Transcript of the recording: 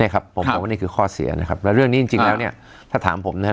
ครับผมบอกว่านี่คือข้อเสียนะครับแล้วเรื่องนี้จริงแล้วเนี่ยถ้าถามผมนะฮะ